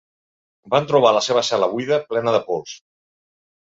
Van trobar la seva cel·la buida plena de pols.